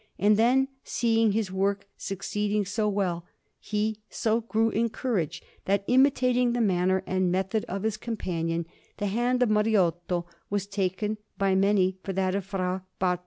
And then, seeing his work succeeding so well, he so grew in courage, that, imitating the manner and method of his companion, the hand of Mariotto was taken by many for that of Fra Bartolommeo.